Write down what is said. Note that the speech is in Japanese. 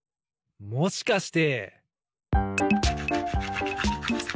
もしかして。